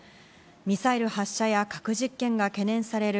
ミサイル発射や核実験が懸念される